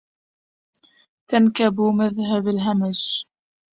تنكب مذهب الهمج